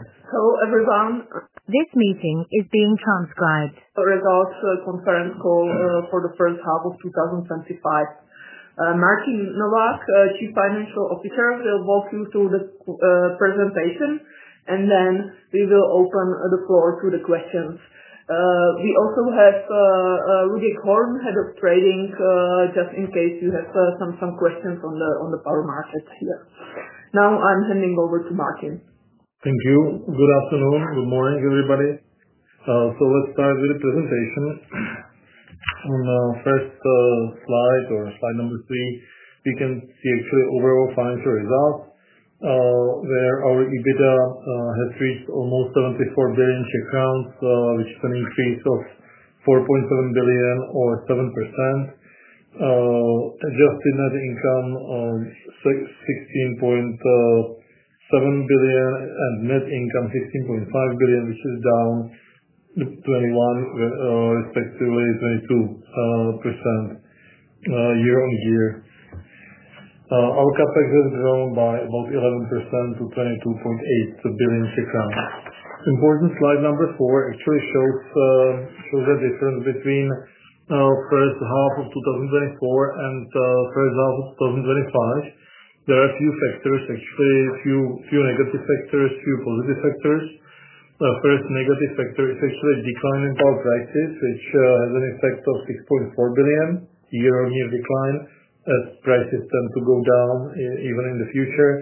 Hello, everyone. This meeting is being transcribed. Results to a concurrent call for the first half of 2025. Martin Novak, Chief Financial Officer, will walk you through the presentation, and then we will open the floor to the questions. We also have Luděk Horn, Head of Trading, just in case you have some questions on the power market here. Now I'm handing over to Martin. Thank you. Good afternoon. Good morning, everybody. Let's start with the presentations. On the first slide, or slide number three, we can see actually overall financial results, where our EBITDA has reached almost 74 billion, which is an increase of 4.7 billion or 7%. Adjusted net income of 16.7 billion and net income 15.5 billion, which is down 21%, respectively 22% year-on-year. Our CAPEX has grown by about 11% to 22.8 billion. Important slide number four actually shows the difference between our first half of 2024 and the first half of 2025. There are a few factors, actually, a few negative factors, a few positive factors. The first negative factor is actually a decline in power prices, which has an effect of 6.4 billion year-on-year decline. Prices tend to go down even in the future.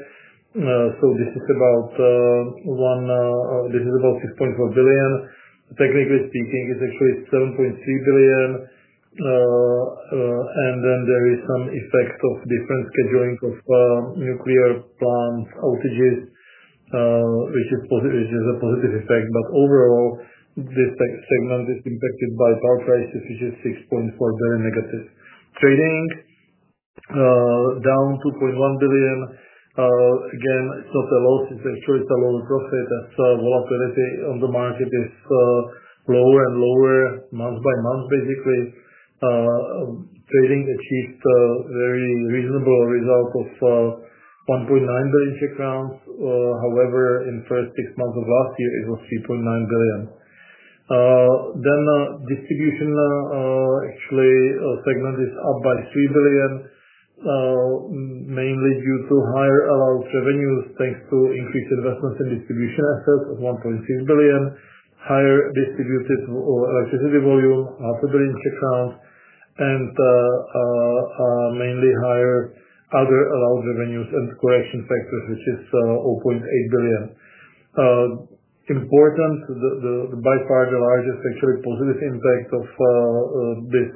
This is about 6.4 billion. Technically speaking, it's actually 7.3 billion. There is some effect of different scheduling of nuclear plant outages, which is a positive effect. Overall, this segment is impacted by power prices, which is 6.4 billion negative. Trading down 2.1 billion. Again, it's not a loss. It's actually a lower profit as our volatility on the market is lower and lower month by month, basically. Trading achieves a very reasonable result of 1.9 billion Czech crowns. However, in the first six months of last year, it was CZK 3.9 billion. Distribution segment is up by 3 billion, mainly due to higher allowed revenues thanks to increased investments in distribution assets of 1.6 billion, higher distributed electricity volume, half a billion CZK, and mainly higher other allowed revenues and correction factors, which is 0.8 billion. By far, the largest positive impact of this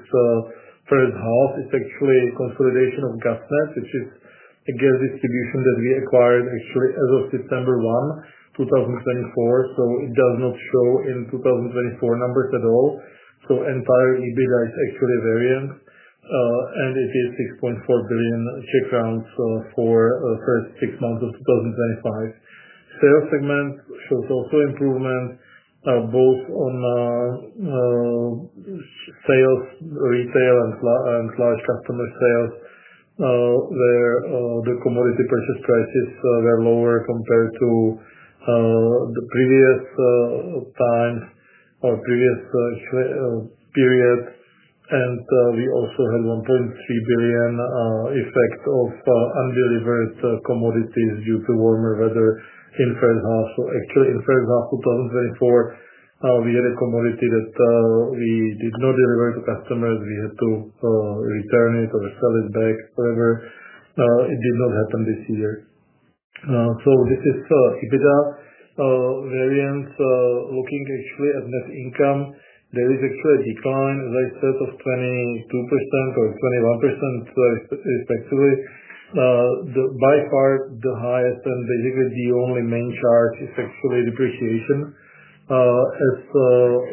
third half is actually consolidation of GasNet, which is, again, distribution that we acquired as of September 1, 2024. It does not show in 2024 numbers at all. Entire EBITDA is actually a variance, and it is 6.4 billion for the first six months of 2025. Sales segments, so total improvement, are both on sales retail and large customer sales. The commodity purchase prices were lower compared to the previous time or previous period. We also had 1.3 billion effect of undelivered commodities due to warmer weather in the first half. In the first half of 2024, we had a commodity that we did not deliver to customers. We had to return it or sell it back, whatever. It did not happen this year. This is EBITDA variance looking actually at net income. There is actually a decline, as I said, of 22% or 21%, especially. By far, the highest and basically the only main chart is actually depreciation. As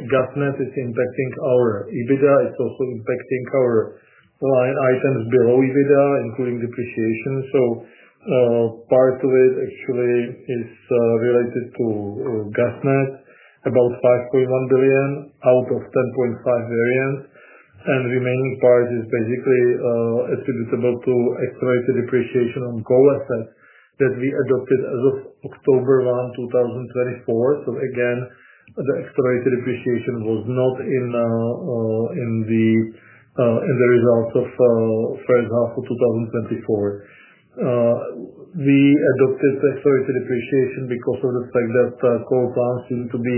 GasNet is impacting our EBITDA, it's also impacting our line items below EBITDA, including depreciation. Part of it actually is related to GasNet, about 5.1 billion out of 10.5 billion variance. The remaining part is basically attributable to accelerated depreciation on coal assets that we adopted as of October 1, 2024. The accelerated depreciation was not in the results of the first half of 2024. We adopted accelerated depreciation because of the fact that coal plants need to be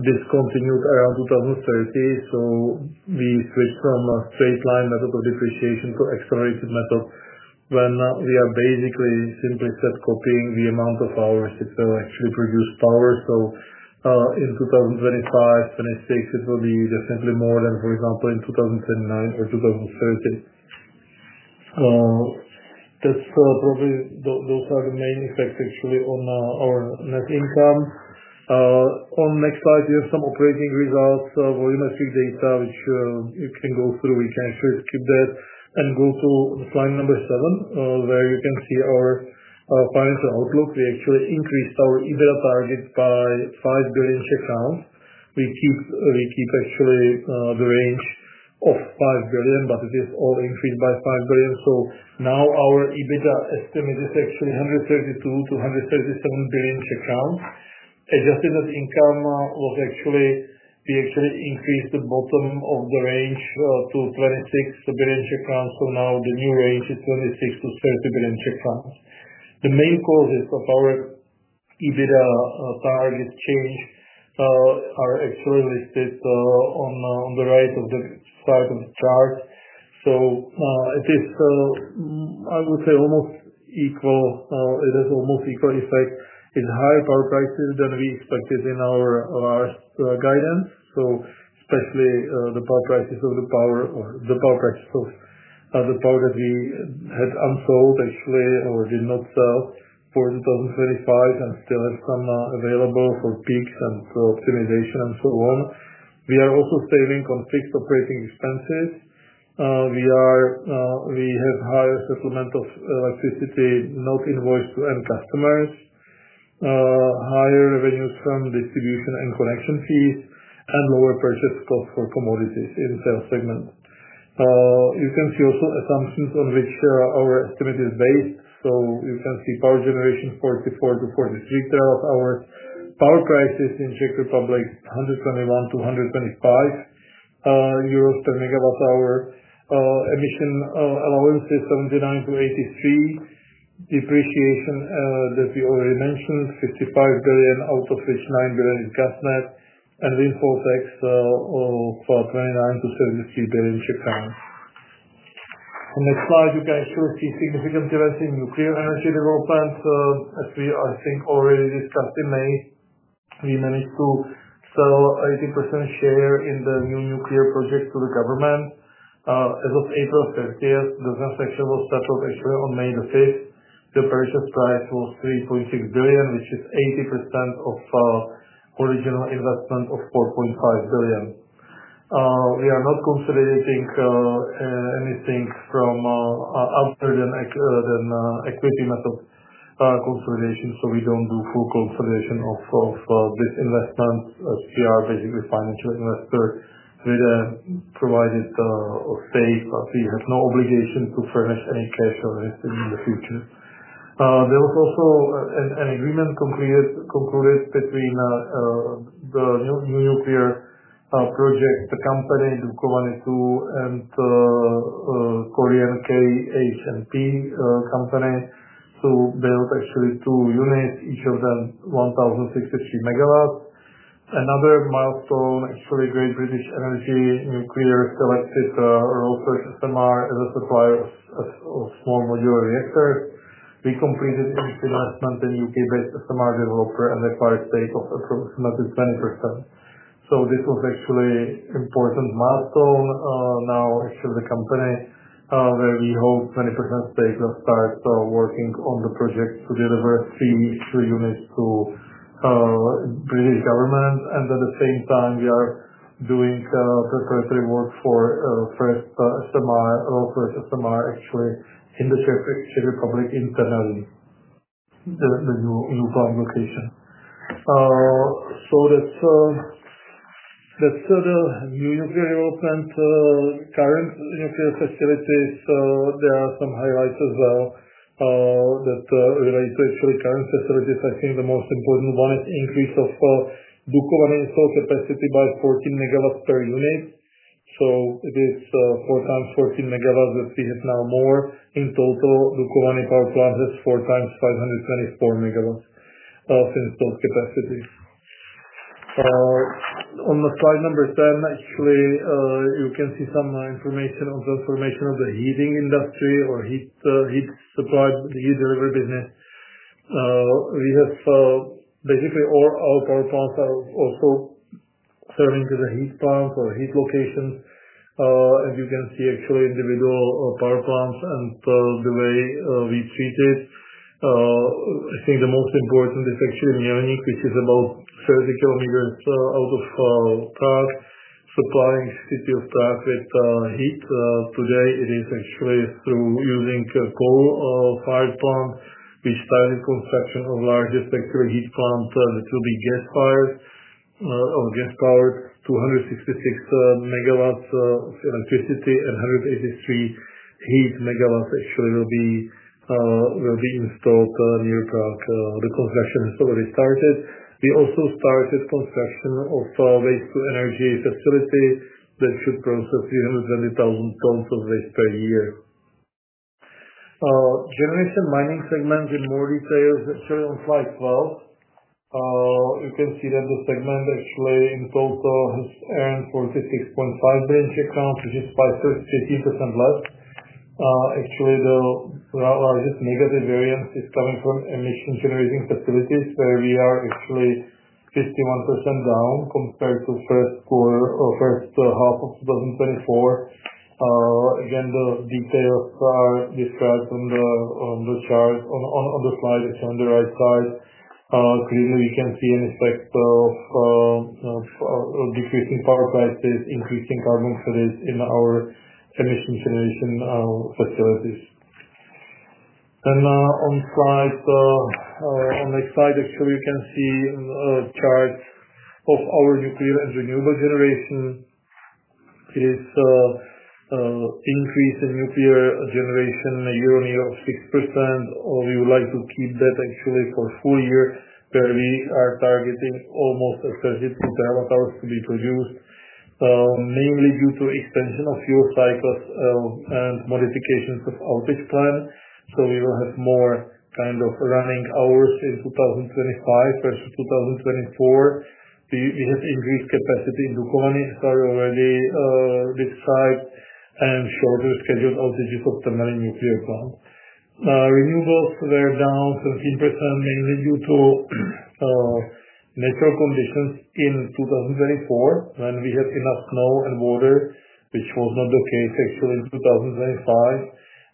discontinued around 2030. We switched from a straight line method of depreciation to an accelerated method when we are basically, simply said, copying the amount of power which actually produced power. In 2025, 2026, it will be definitely more than, for example, in 2019 or 2013. Those are the main effects actually on our net income. On the next slide, we have some operating results, volumetric data, which you can go through. We can actually skip that and go to slide number seven, where you can see our financial outlook. We actually increased our EBITDA target by 5 billion. We keep the range of 5 billion, but it is all increased by 5 billion. Now our EBITDA estimate is 132 billion-137 billion. Adjusted net income was actually, we actually increased the bottom of the range to 26 billion. Now the new range is 26 billion-30 billion. The main causes of our EBITDA target change are actually listed on the right of the start of the chart. It has almost equal effect in high power prices than we expected in our last guidance, especially the power prices of the power or the power prices of the power that we had unsold actually or did not sell for 2025 and still have some available for peaks and for optimization and so on. We are also saving on fixed operating expenses. We have higher supplement of electricity not invoiced to end customers, higher revenues from distribution and connection fees, and lower purchase costs for commodities in the sales segment. You can see also assumptions on which our estimate is based. You can see power generation 44 TWh-43 TWh. Power prices in Czech Republic, 121-125 euros per megawatt-hour. Emission allowances 79-83. Depreciation that we already mentioned, 55 billion, out of which 9 billion is GasNet. Windfall tax of 29 billion-33 billion. On the next slide, you can still see significant growth in nuclear energy developments. As we already discussed in May, we managed to sell 80% share in the new nuclear project to the government. As of April 30, the gas tax was settled actually on May 5. The purchase price was 3.6 billion, which is 80% of original investment of 4.5 billion. We are not consolidating anything other than equity method consolidation. We don't do full consolidation of investments. We are basically a financial investor with a provided estate. We have no obligation to furnish any tax or anything in the future. There was also an agreement concluded between the new nuclear project company, Dukovany II, and the Korean KHNP company. They built actually two units, each of them 1,063 MW. Another milestone is for the Great British Energy Nuclear Selected Role Purchase MR as a supplier of small modular reactors. We completed the investment in a U.K.-based SMR developer and acquired stake of approximately 20%. This was actually an important milestone. Now, the company where we hold 20% stake will start working on the projects to deliver these three units to the British government. At the same time, we are doing preparatory work for the first SMR in the Czech Republic internally, the new plant location. That's the new nuclear development. Current nuclear facilities, there are some highlights as well that relate to the current facilities. I think the most important one is the increase of Dukovany's whole capacity by 14 MW per unit. It is four times 14 MW that we have now more. In total, Dukovany power plant has four times 524 MW of installed capacity. On slide number seven, you can see some information on the formation of the heating industry or heat supply, the heat delivery business. Basically all our power plants are also serving to the heat plant or heat location. As you can see, individual power plants and the way we treat it. I think the most important is Mělník, which is about 30 km out of Prague, supplying the city of Prague with heat. Today, it is through using coal-fired plant. We started construction of a large, especially heat plant that will be gas-fired or gas-powered. 266 MW of electricity and 183 MW of heat actually will be installed near Prague. The construction has already started. We also started construction of a waste-to-energy facility that should process 320,000 tons of waste per year. Generation mining segment in more detail, actually, on slide 12. You can see that the segment actually in total has earned 46.5 billion, which is by 13% less. Actually, the largest negative variance is coming from emission-generating facilities, where we are actually 51% down compared to the first half of 2024. The details are described from the chart on the slide, actually, on the right side. Clearly, you can see an effect of decreasing power prices, increasing carbon credits in our emission-generation facilities. On the next slide, actually, you can see charts of our nuclear and renewable generation. It is an increase in nuclear generation year-on-year of 6%. We would like to keep that actually for a full year, where we are targeting almost 30 to 30 TWh to be produced, mainly due to the extension of fuel cycles and modifications of outage plan. We will have more kind of running hours in 2025 versus 2024. We have increased capacity in Dukovany. It's already this side and shorter scheduled outages of the Temelín nuclear plant. Renewables were down 13%, mainly due to natural conditions in 2024, when we had enough snow and water, which was not the case actually in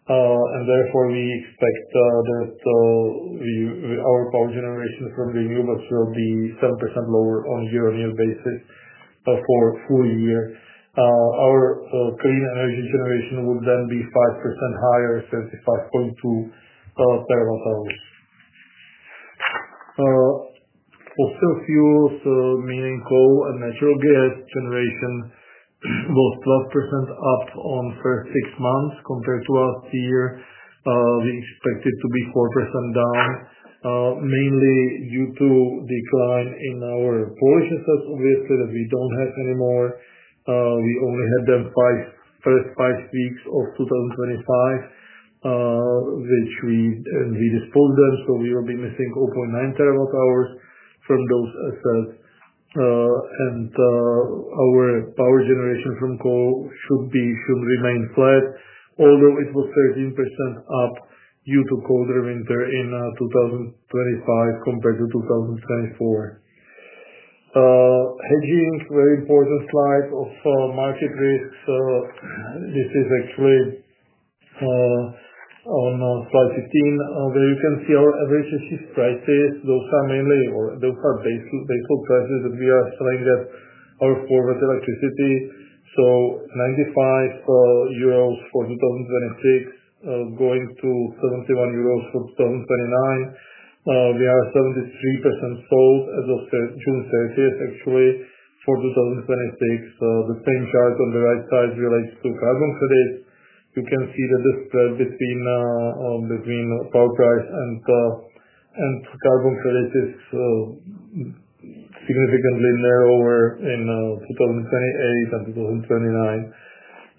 2025. Therefore, we expect that our power generation from renewables will be 7% lower on a year-on-year basis for a full year. Our clean energy generation would then be 5% higher, 35.2 TWh. Fossil fuels, meaning coal and natural gas generation, was 12% up in the first six months compared to last year. We expect it to be 4% down, mainly due to a decline in our coal assets obviously that we don't have anymore. We only had them the first five weeks of 2025, which we disposed of them. We will be missing 0.9 TWh from those assets. Our power generation from coal should remain flat, although it was 13% up due to colder winter in 2025 compared to 2024. Hedging is a very important slide of market risks. This is actually on slide 15. There you can see our average prices. Those are mainly or those are baseload prices that we are selling at our format electricity. EUR 95 for 2026, going to EUR 71 for 2029. We are 73% sold as of June 30th, actually, for 2026. The paint chart on the right side relates to carbon credits. You can see that the spread between power price and carbon credits is significantly narrower in 2028 and 2029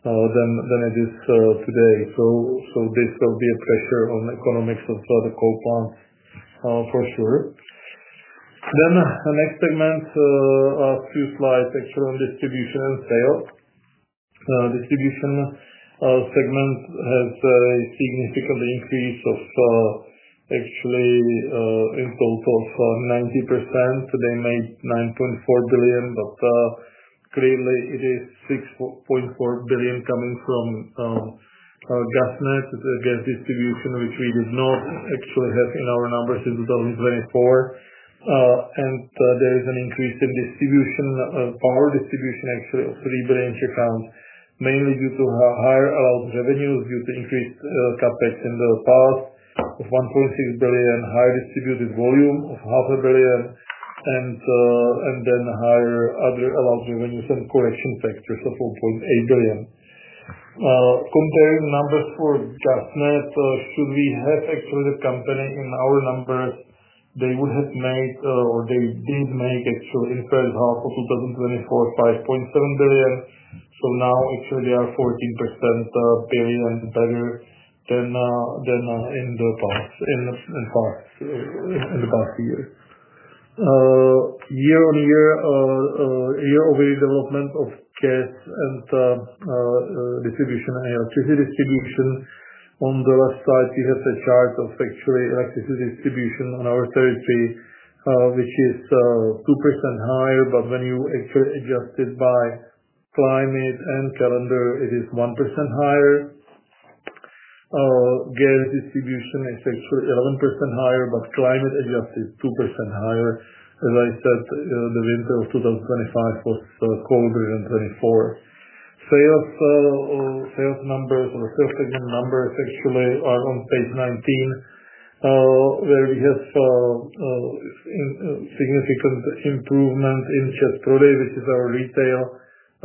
than it is today. This will be a pressure on the economics of the coal plant, for sure. The next segment, the last few slides, actually, on distribution and sales. Distribution segment has a significant increase of actually, in total of 90%. They made 9.4 billion, but clearly, it is 6.4 billion coming from GasNet against distribution, which we do not actually have in our numbers in 2024. There is an increase in distribution, power distribution actually, of 3 billion, mainly due to higher allowed revenues due to increased CAPEX in the past of 1.6 billion, higher distributed volume of 0.5 billion, and then higher other allowed revenues and correction factors of 4.8 billion. Comparing the numbers for GasNet, should we have actually the company in our numbers, they would have made or they did make actually in the first half of 2024 5.7 billion. Now, actually, they are 14% billion better than in the past years. Year-on-year, year-over-year development of gas and distribution and electricity distribution. On the left side, we have a chart of actually electricity distribution on our territory, which is 2% higher. When you actually adjust it by climate and calendar, it is 1% higher. Gas distribution is actually 11% higher, but climate adjusted 2% higher. I realized that the winter of 2025 was colder than 2024. Sales numbers or sales segment numbers actually are on page 19, where we have a significant improvement in Chat Produit, which is our retail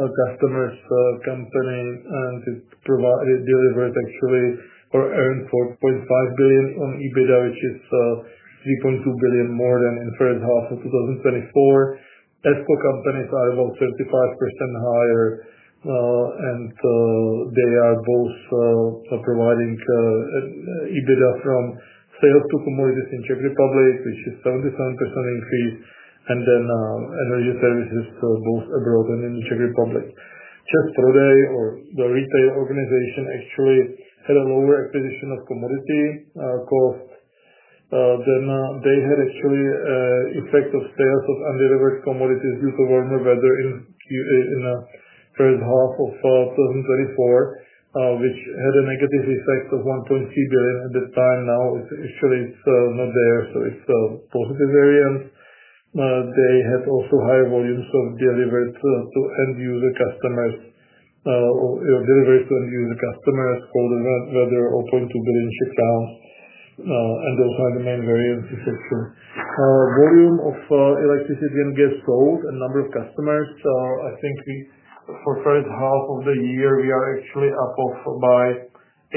customers' company. It delivered actually or earned 4.5 billion on EBITDA, which is 3.2 billion more than in the first half of 2024. Escrow companies are about 25% higher. They are both providing EBITDA from sales to commodities in Czech Republic, which is 77% increase, and then energy services both abroad and in Czech Republic. Chat Produit, or the retail organization, actually had a lower acquisition of commodity cost than they had actually effect of sales of undelivered commodities due to warmer weather in the first half of 2024, which had a negative effect of 1.3 billion at the time. Now, actually, it's not there. It's a positive variance. They have also higher volumes of delivered to end-user customers, delivered to end-user customers for the weather 0.2 billion. Those are the main variances of volume of electricity and gas sold and number of customers. I think for the first half of the year, we are actually up by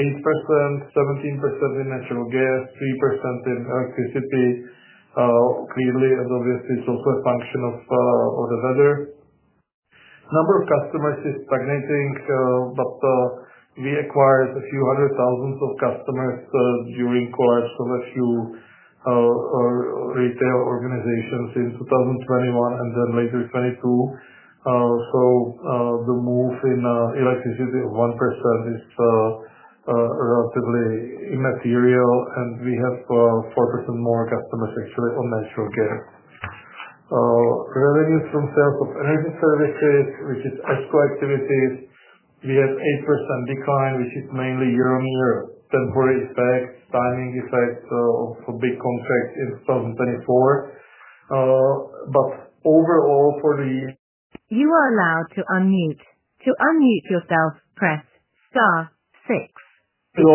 8%, 17% in natural gas, 3% in electricity. Clearly, and obviously, it's also a function of the weather. Number of customers is stagnating, but we acquired a few hundred thousand customers during quarters of a few retail organizations in 2021 and then later 2022. The move in electricity of 1% is relatively immaterial. We have 4% more customers actually on natural gas. Revenues from sales of energy services, which is escrow activities, had an 8% decline, which is mainly year-on-year temporary effects, timing effects of big contracts in 2024. Overall, for the. You are allowed to unmute. To unmute yourself, press star six. There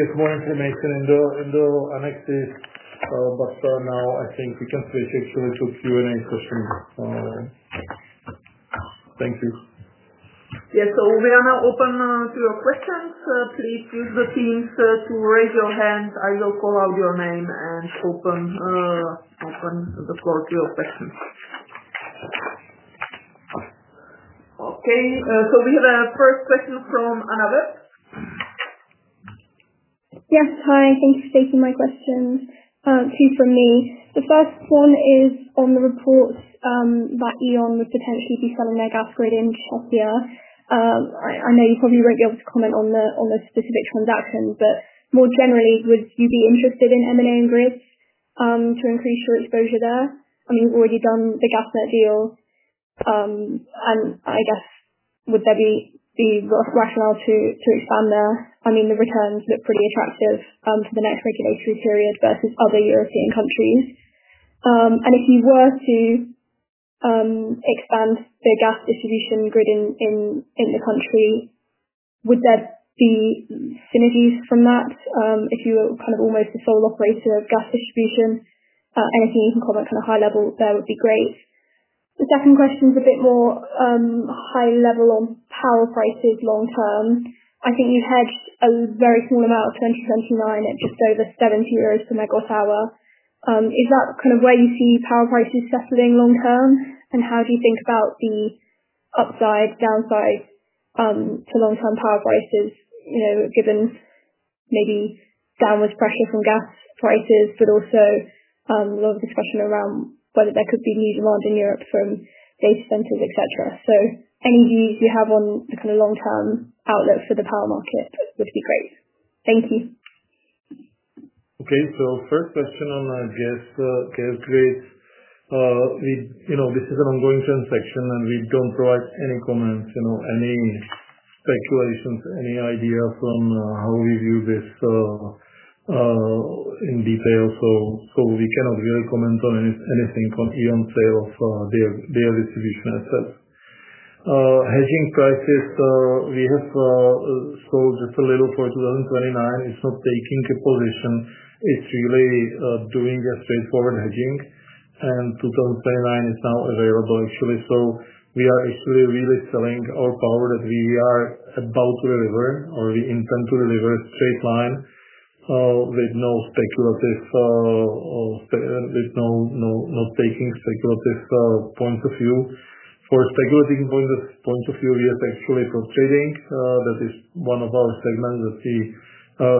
is more information in the annexes. I think we can face it to the Q&A session. Thank you. Yeah. We are now open to your questions. Please use Teams to raise your hands or call out your name and open the floor to your questions. Okay. We have a first question from Anna Webb. Yes. Hi. Thanks for taking my questions. It came from me. The first one is on the reports that Eon would potentially be selling their gas gradients off the earth. I know you probably won't be able to comment on the specifics on that one, but more generally, would you be interested in M&A and grids to increase your exposure there? I mean, you've already done the GasNet deal. I guess would there be the rationale to expand there? I mean, the returns look pretty attractive for the next regulatory period versus other European countries. If you were to expand the gas distribution grid in the country, would there be synergies from that? If you were kind of almost the sole operator of gas distribution, anything you can comment on a high level there would be great. The second question is a bit more high level on power prices long term. I think you had a very small amount of 2029. It was over 70 euros per megawatt-hour. Is that kind of where you see power prices settling long term? How do you think about the upside, downside to long-term power prices, you know, given maybe downward pressure from gas prices, but also a lot of discussion around whether there could be new demand in Europe from data centers, etc.? Any views you have on the kind of long-term outlook for the power market would be great. Thank you. Okay. First question on gas grades. This is an ongoing transaction, and we don't provide any comments, any speculations, any idea from how we view this in detail. We cannot really comment on anything on Eon's sale of their distribution assets. Hedging prices, we have sold just a little for 2029. It's not taking a position. It's really doing a straightforward hedging. 2029 is now available, actually. We are actually really selling our power that we are about to deliver or we intend to deliver straight line with no speculative, with no taking speculative points of view. For speculative points of view, we have actually called Tradings. That is one of our segments that we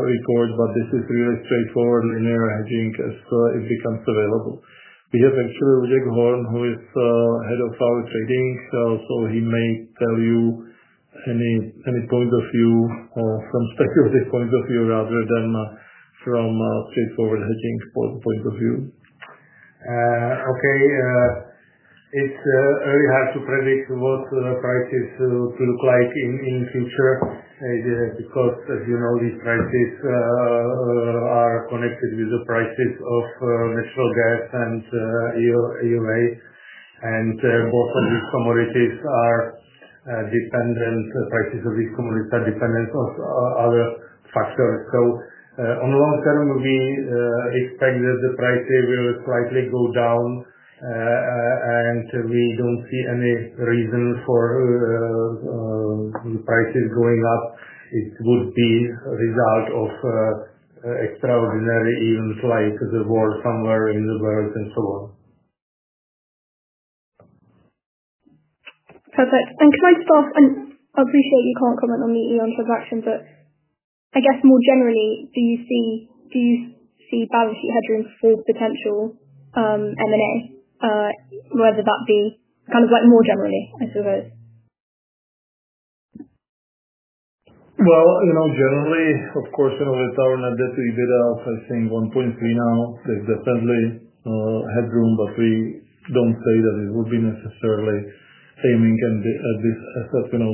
record, but this is really straightforward linear hedging as it becomes available. We have actually Luděk Horn, who is Head of Trading. He may tell you any points of view or some speculative points of view rather than from a straightforward hedging point of view. It's really hard to predict what prices look like in the future because, as you know, these prices are connected with the prices of natural gas and EUA. Both of these commodities are dependent. Prices of these commodities are dependent on other factors. In the long term, we expect that the prices will slightly go down. We don't see any reason for the prices going up. It would be a result of extraordinary events like the war somewhere in the Baltics and so on. Perfect. Thank you. I just want to, and obviously, you can't comment on the Eon transaction, but I guess more generally, do you see balance sheet hedging for potential M&A, whether that be kind of like more generally, I suppose? Generally, of course, you know, the target net debt/EBITDA of, I think, 1.3 now. There's definitely headroom, but we don't say that it would be necessarily aiming at this as of now.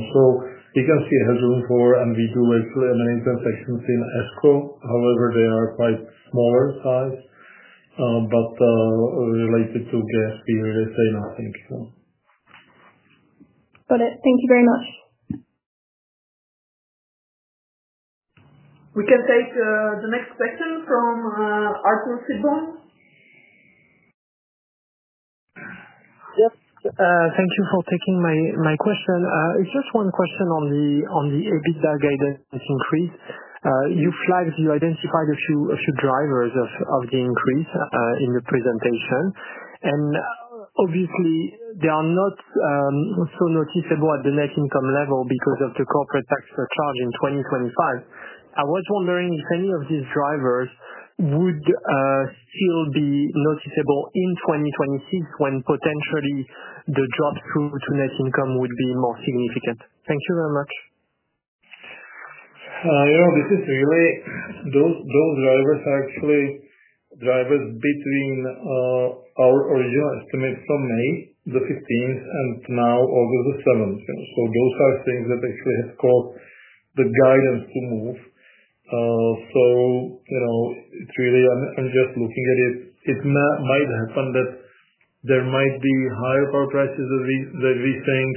You can see headroom for, and we do actually annual transactions in escrow. However, they are quite small size, but related to gas, we really say nothing. Got it. Thank you very much. We can take the next question from Arthur Sitbon. Thank you for taking my question. It's just one question on the EBITDA guidance increase. You flagged, you identified a few drivers of the increase in the presentation. They are not so noticeable at the net income level because of the corporate tax recharge in 2025. I was wondering if any of these drivers would still be noticeable in 2026 when potentially the drop through to net income would be more significant. Thank you very much. You know, those drivers are actually drivers between our original estimates from May 15 and now August 7. Those are things that have caused the guidance to move. It's really, I'm just looking at it. It might happen that there might be higher power prices than we think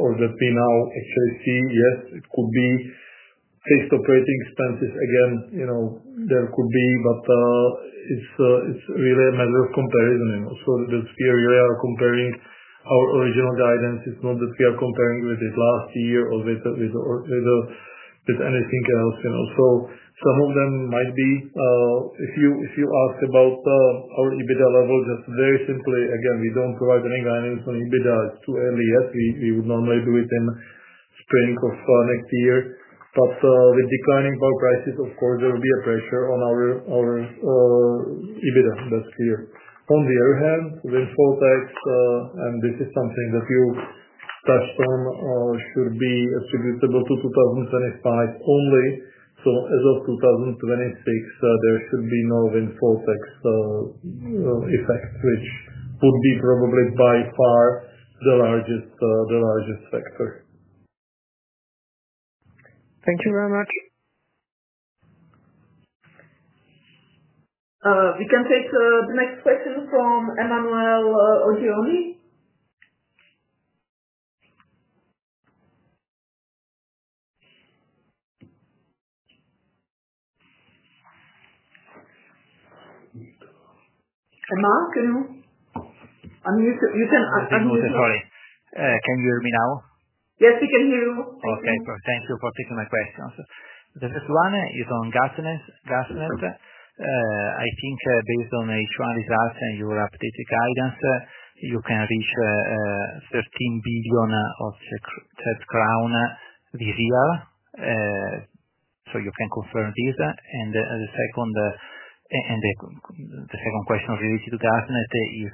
or that we now actually see. Yes, it could be fixed operating expenses. There could be, but it's really a matter of comparison. Also, we really are comparing our original guidance. It's not that we are comparing with last year or with anything else. Some of them might be. If you ask about our EBITDA level, just very simply, we don't provide any guidance on EBITDA. It's too early yet. We would normally do it in the spring of next year. With declining power prices, of course, there will be a pressure on our EBITDA. That's clear. On the other hand, windfall tax, and this is something that you touched on, could be attributable to 2025 only. As of 2020 peaks, there could be no windfall tax effect, which would be probably by far the largest factor. Thank you very much. We can take the next question from Emanuele Oggioni. Emma, can you? I mean, you can. Excuse me, sorry. Can you hear me now? Yes, we can hear you. Okay. Thank you for taking my question. The next one is on GasNet. I think based on H1 GasNet and your updated guidance, you can reach CZK 15 billion this year. Can you confirm this? The second question related to GasNet is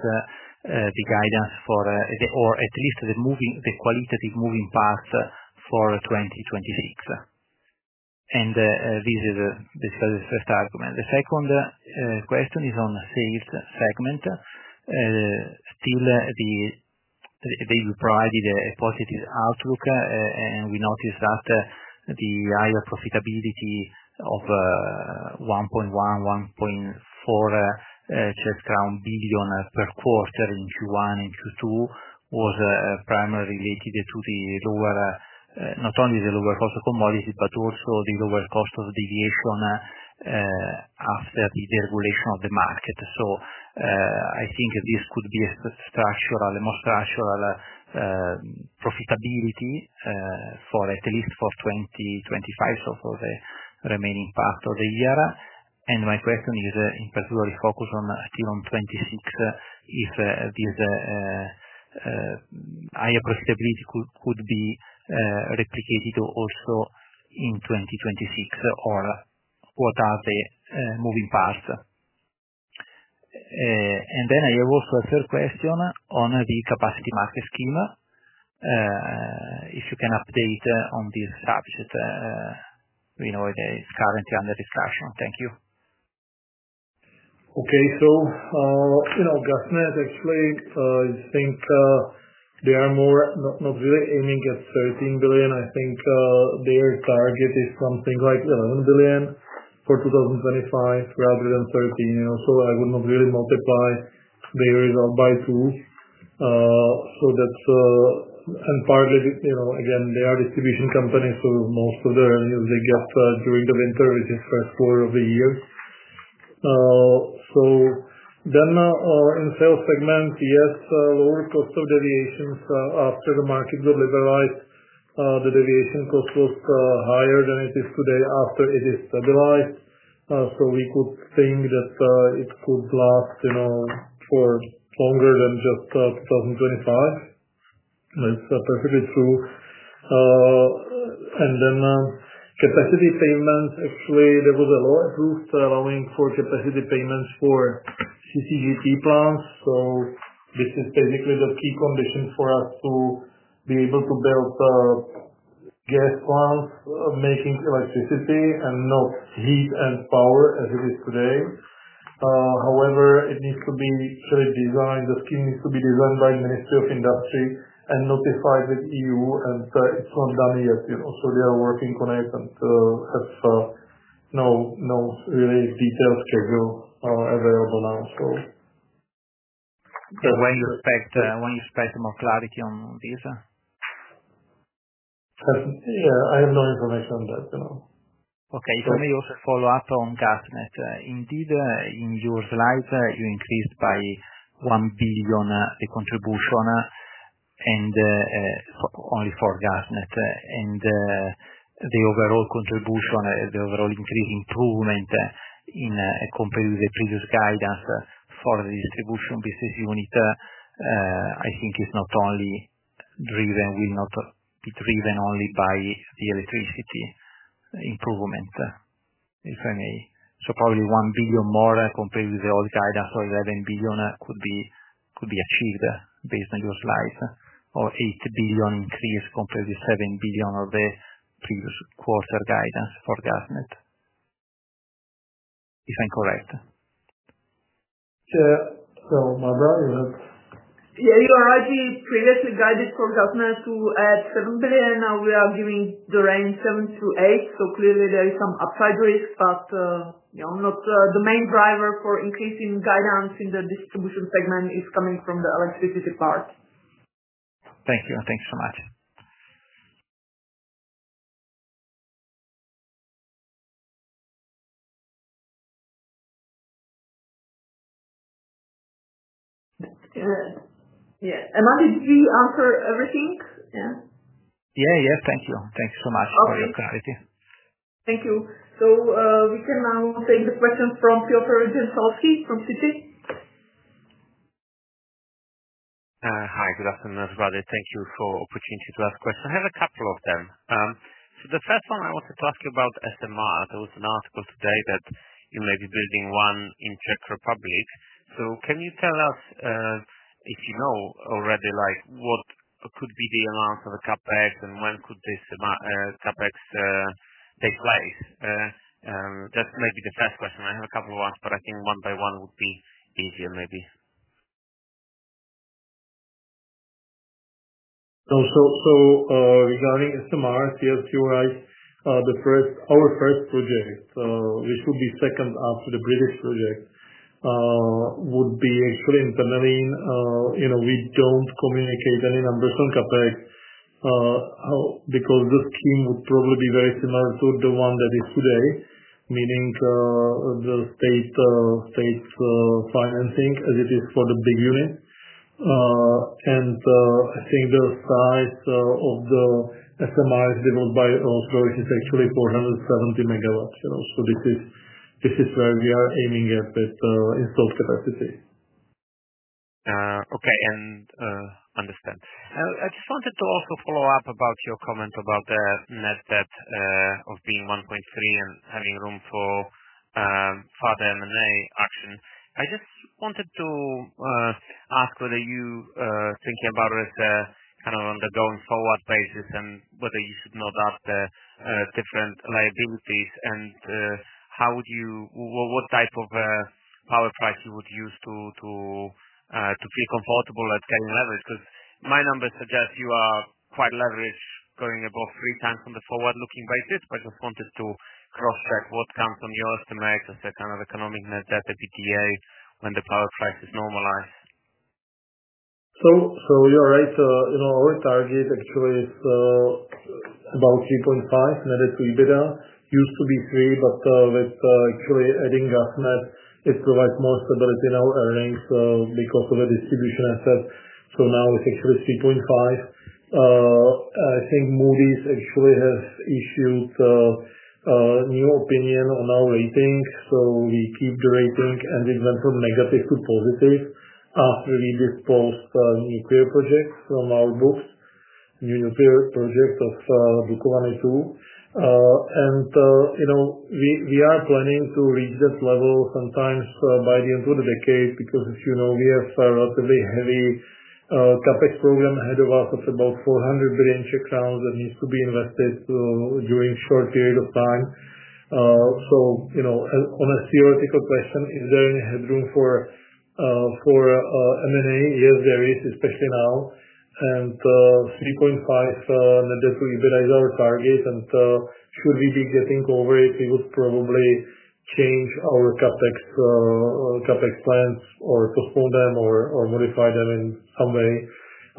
the guidance for, or at least the qualitative moving parts for 2026. This is the first argument. The second question is on the sales segment. Still, they provided a positive outlook, and we noticed that the higher profitability of 1.1 billion crown, 1.4 billion crown per quarter in Q1 and Q2 was primarily related not only to the lower cost of commodity, but also the lower cost of deviation after the deregulation of the market. I think this could be a more structural profitability at least for 2025, for the remaining part of the year. My question is in particular focused still on 2026, if this higher profitability could be replicated also in 2026, or what are the moving parts? I also have a third question on the capacity market scheme. If you can update on this subject, we know it is currently under discussion. Thank you. Okay. So you know, GasNet, actually, I think they are more not really aiming at 13 billion. I think their target is something like 11 billion for 2025 rather than 13 billion. I would not really multiply their result by 2. Partly, you know, again, they are distribution companies, so most of the revenues they get during the winter, which is the first quarter of the year. In the sales segment, yes, lower cost of deviations. After the market got liberalized, the deviation cost was higher than it is today after it is stabilized. We could think that it could last for longer than just 2025. That's perfectly true. Capacity payments, actually, there was a law approved allowing for capacity payments for CCGP plants. This is basically the key condition for us to be able to build gas plants making electricity, and not heat and power as it is today. However, it needs to be designed. The scheme needs to be designed by the Ministry of Industry and notified with the EU, and it's not done yet. They are working on it and have no really detailed schedule available now. When you expect more clarity on this? I have no information on that. Okay. Let me just follow up on GasNet. Indeed, in your slides, you increased by 1 billion the contribution and only for GasNet. The overall contribution, the overall increase in improvement compared with the previous guidance for the distribution business unit, I think is not only driven, will not be driven only by the electricity improvement, if any. Probably 1 billion more compared with the old guidance, or 11 billion could be achieved based on your slides, or 8 billion increase compared with 7 billion of the previous quarter guidance for GasNet. Is I incorrect? Barbara, you had. Yeah. I actually previously guided for GasNet to add 7 billion. Now we are giving the range 7 to 8 billion. Clearly, there is some upside risk, but the main driver for increasing guidance in the distribution segment is coming from the electricity part. Thank you, and thank you so much. Yeah. Emanuele, did you answer everything? Yeah. Thank you. Thank you so much for your clarity. Thank you. We can now take the questions from Silvery Jansowski from Citi. Hi. Good afternoon, everybody. Thank you for the opportunity to ask questions. I have a couple of them. The first one I wanted to ask you about is the mark. There was an article today that you may be building one in the Czech Republic. Can you tell us, if you know already, what could be the amount of the CAPEX and when could this CAPEX take place? That may be the first question. I have a couple of ones, but I think one by one would be easier, maybe. Regarding SMRs, CHPRs, our first project, which would be second after the British project, would be actually in Temelín. We don't communicate any numbers on CAPEX because the scheme would probably be very similar to the one that is today, meaning the state state financing as it is for the big unit. I think the size of the SMRs developed by our approach is actually 470 MW. You know, this is where we are aiming at installed capacity. Okay. I understand. I just wanted to also follow up about your comment about the net debt of being 1.3 and having room for further M&A action. I just wanted to ask whether you're thinking about it as a kind of on the going forward basis and whether you should not add the different liabilities. How would you, what type of power price you would use to be comfortable at paying leverage? Because my numbers suggest you are quite leveraged going above 3x on the forward-looking basis. I just wanted to cross-check what comes on your estimates as a kind of economic net debt FPTA when the power price is normalized. You're right. Our target actually is about 3.5 net debt to EBITDA. It used to be 3, but with actually adding GasNet, it provides more stability in our earnings because of the distribution assets. Now it's actually 3.5. I think Moody's actually has issued a new opinion on our rating. We keep the rating, and it went from negative to positive after we disposed nuclear projects from our books, new nuclear projects of Dukovany II. We are planning to reach that level sometime by the end of the decade because, as you know, we have a relatively heavy CAPEX program ahead of us. It's about 400 billion Czech crowns that needs to be invested during a short period of time. On a theoretical question, is there any headroom for M&A? Yes, there is, especially now. 3.5 net debt to EBITDA is our target. Should we be getting over it, we would probably change our CAPEX plans or postpone them or modify them in some way.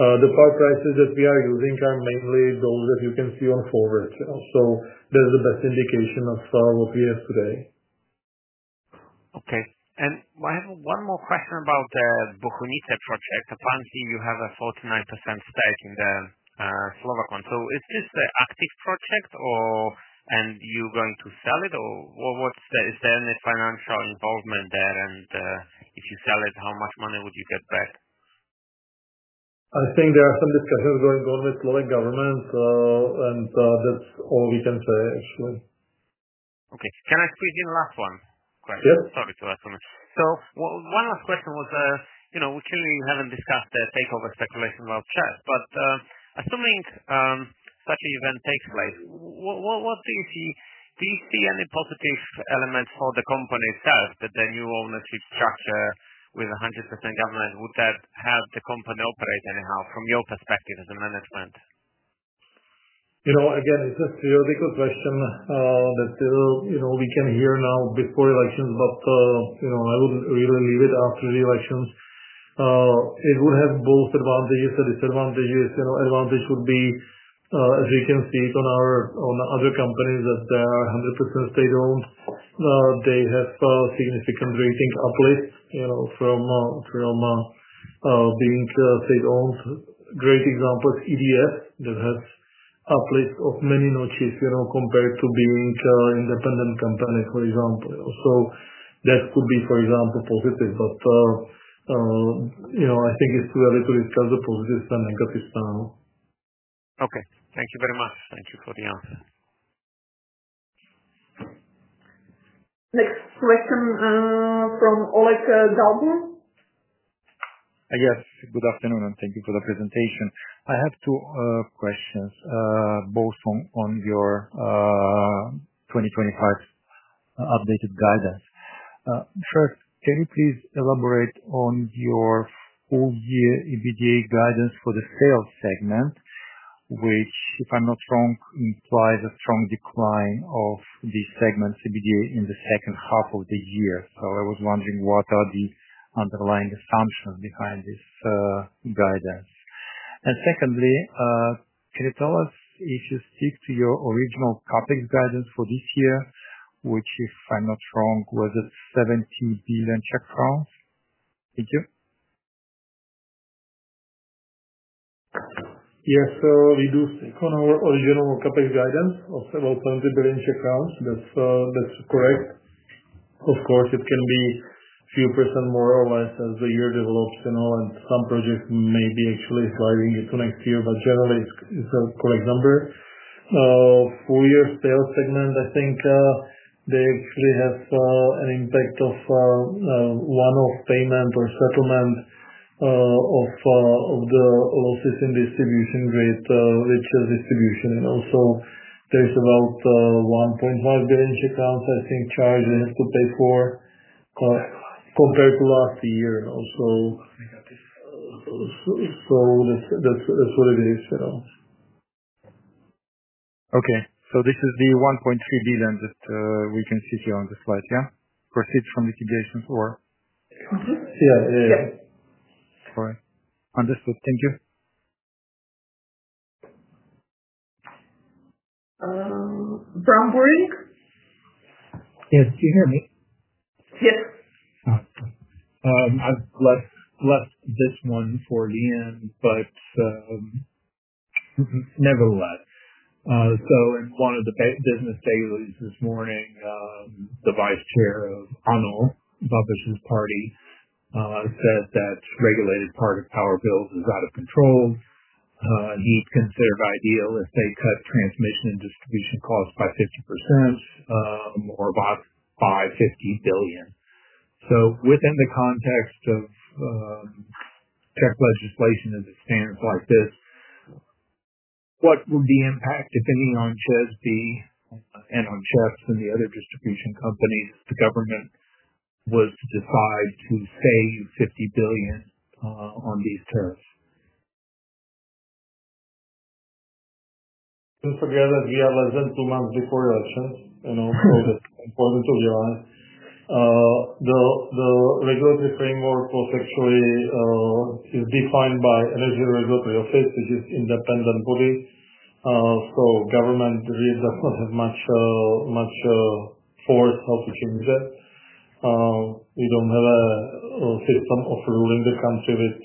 The power prices that we are using are mainly those that you can see on Forward. That's the best indication of what we have today. Okay. I have one more question about the Bohonice project. Apparently, you have a 49% stake in the Slovak one. Is this the active project, and you're going to sell it? What's the, is there any financial involvement there? If you sell it, how much money would you get back? I think there are some discussions going on with the Slovak government, and that's all we can say, actually. Okay. Can I squeeze in the last one? Great. Sorry to ask for that. One last question was, you know, we clearly haven't discussed the takeover speculation about CEZ, but assuming such an event takes place, what do you see? Do you see any positive elements for the company itself that the new ownership structure with 100% government, would that help the company operate anyhow from your perspective as a management? You know. Again, it's a theoretical question that still, you know, we can hear now before elections, but I wouldn't really leave it after the elections. It would have both advantages and disadvantages. An advantage would be, as you can see on other companies, that they are 100% state-owned. They have significant rating uplifts from being state-owned. A great example is EDF that has uplifts of many notches, you know, compared to being an independent company, for example. That could be, for example, positive. I think it's too early to discuss the positives and negatives now. Okay, thank you very much. Thank you for the answer. Next question, from Oleg Galbur. Yes. Good afternoon, and thank you for the presentation. I have two questions, both on your 2025 updated guidance. Sure. Can you please elaborate on your full-year EBITDA guidance for the sales segment, which, if I'm not wrong, implies a strong decline of the segment's EBITDA in the second half of the year? I was wondering what are the underlying assumptions behind this guidance? Secondly, can you tell us if you stick to your original CAPEX guidance for this year, which, if I'm not wrong, was CZK 70 billion? Thank you. Yes. We do stick on our original CAPEX guidance of about 70 billion. That's correct. Of course, it can be a few percent more or less as the year develops, and some projects may be actually sliding into next year, but generally, it's a correct number. Full-year sales segment, I think, they actually have an impact of one-off payment or settlement of the losses in distribution with retail distribution. Also, there's about 1.5 billion, I think, charges to pay for compared to last year. That's what it is. Okay. This is the $1.3 billion that we can see here on the slide, yeah? Proceeds from liquidation for? Yeah. All right. Understood. Thank you. From Bree. Yes, can you hear me? Yes. I've left this one for Ian, but nevertheless, in one of the business dailies this morning, the Vice Chair of Babasu's party said that the regulated part of the power bill is out of control. He'd consider it ideal if they cut transmission and distribution costs by 50%, more about 50 billion. Within the context of Czech legislation as it stands like this, what would the impact be, depending on Czech and on CEZ and the other distribution companies, if the government would decide to save 50 billion on these tariffs? In particular, as we have less than two months before elections, you know, that's important to realize. The regulatory framework is defined by the Energy Regulatory Office, which is an independent body. The government really does not have much force to change that. We don't have a system of ruling the country with,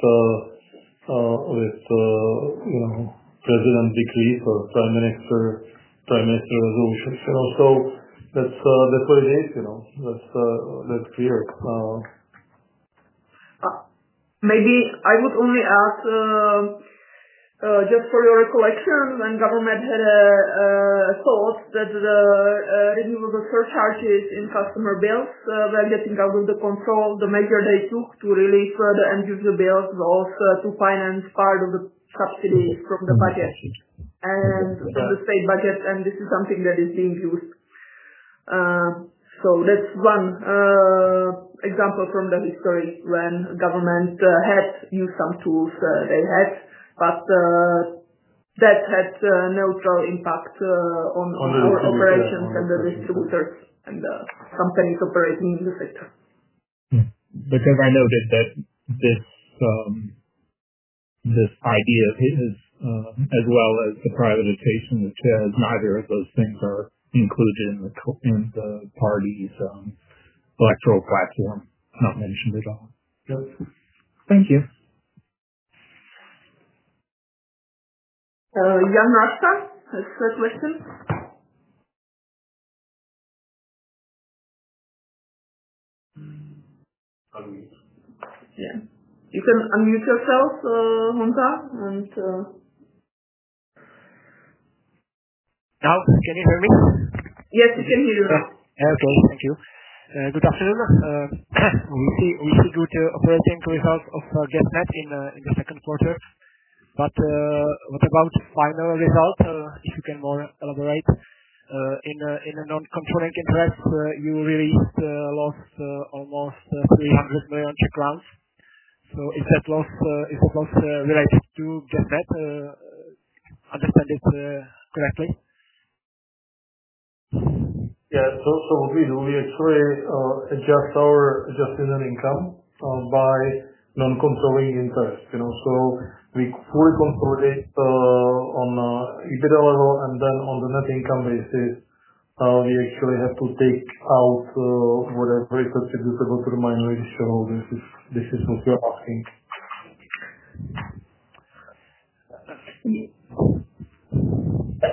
you know, President Dickie or Prime Minister Zoufec. That's what it is. You know, that's clear. Maybe I would only ask, just for your recollection, when government had a thought that the renewable surcharges in customer bills, when getting out of the control, the measure they took to relieve further and use the bills was to finance part of the subsidies from the budget and from the state budget. This is something that is being used. That's one example from the history when government has used some tools they had, that had a neutral impact on our operations and the distributor and the companies operating in the sector. As I noted, this idea, as well as the prioritization of the sales, neither of those things are included in the party's electoral platform. It's not mentioned at all. Yes. Thank you. Jan Raška has a question. You can unmute yourself, Hunter. Hi, can you hear me? Yes, we can hear you. All right. Thank you. Good afternoon. We do the operational results of net debt in the second quarter, but what about the final results? If you can more elaborate, in a non-component interest, you really lost almost 300 million. Is that loss related to the debt, understanding that correctly? Yeah. What we do, we actually adjust our adjusted net income by non-controlling interest. We fully consolidate on EBITDA level, and then on the net income basis, we actually have to take out whatever is attributable to the minority shareholders. This is what you're asking. Okay.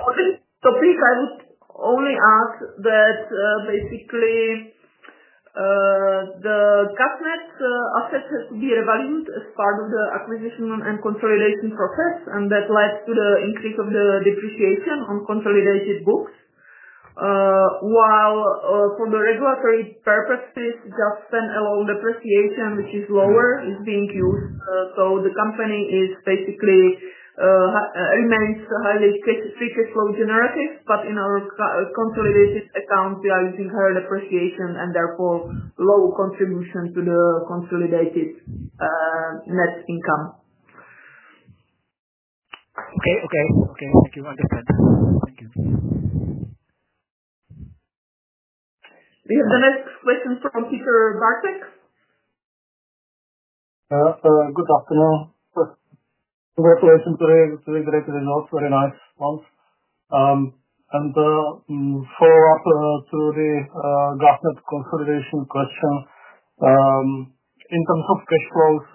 I would only ask that, basically, the CAF net assets have to be revalued as part of the acquisition and consolidation process. That leads to the increase of the depreciation on consolidated books, while for regulatory purposes, just stand-alone depreciation, which is lower, is being used. The company basically remains highly free cash flow generative. In our consolidated account, we are using higher depreciation and therefore low contribution to the consolidated net income. Okay. Thank you. Understood. The next question is from Piotr Dzieciolowski. Good afternoon. First, congratulations today. It's really great to be in the north. Very nice month. Fair up to the GasNet consolidation question. In terms of cash flows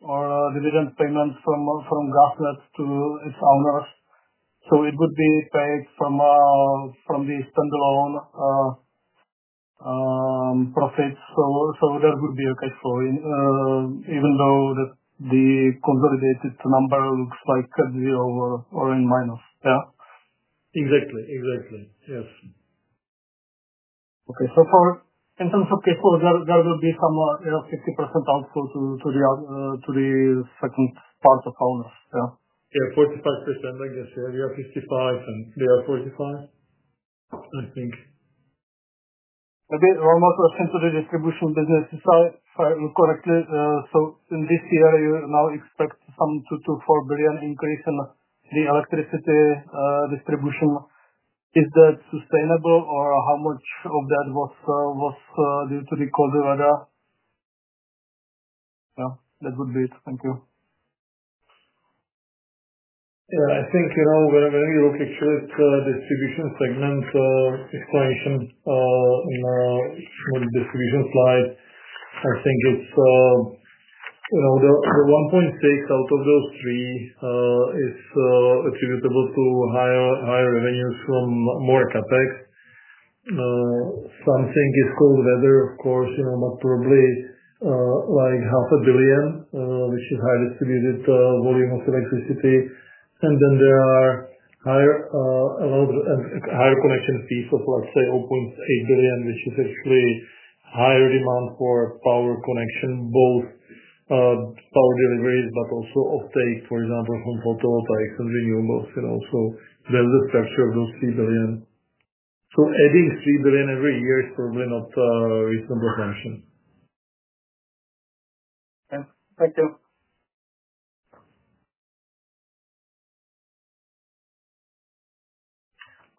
or dividend payments from GasNet to its owners, it would be paid from the stand-alone profits. There would be a cash flow in, even though the consolidated number looks like zero or in minus. Yeah? Exactly. Exactly. Yes. Okay. So far, in terms of cash flow, there will be some 50% outflow to the second part of owners. Yeah? Yeah. 45%. I guess we have 55%, and they are 45%, I think. Maybe one more question to the distribution business. If I'm correct, so in this year, you now expect some 2 billion to 4 billion increase in the electricity distribution. Is that sustainable, or how much of that was due to the COVID? That would be it. Thank you. I think we're very lucky with the distribution segment explanation on the distribution slides. I think it's the 1.6 billion out of those three, is attributable to higher revenues from more CAPEX. Something is called weather, of course, but probably like 0.5 billion, which is highly attributed volume of electricity. Then there are higher, allowed higher connecting fees of, let's say, 0.8 billion, which is actually a higher amount for power connection, both power deliveries, but also uptakes, for example, from photovoltaics and renewables. There's a structure of those 3 billion. Adding 3 billion every year is probably not a reasonable dimension.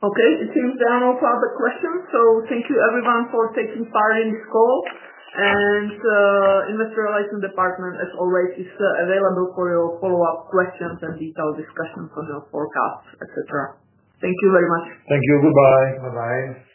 Okay. It's a general public question. Thank you, everyone, for taking part in this call. The Industrial License Department is already available for your follow-up questions and detailed discussions on your forecast, etc. Thank you very much. Thank you. Goodbye. Bye-bye.